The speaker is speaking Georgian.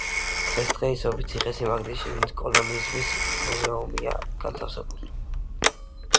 დღესდღეობით ციხესიმაგრის შიგნით კოლონიალიზმის მუზეუმია განთავსებული.